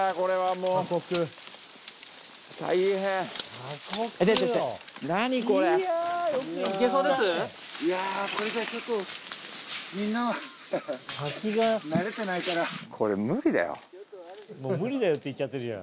もう無理だよって言っちゃってるじゃん。